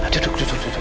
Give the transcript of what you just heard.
duduk duduk duduk